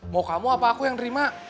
mau kamu apa aku yang nerima